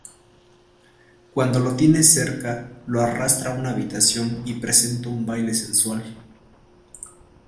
Cuando lo tiene cerca, lo arrastra a una habitación y presenta un baile sensual.